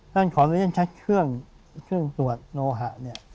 ฉันขอเรียกชัดเครื่องเครื่องตรวจโลหะเนี่ย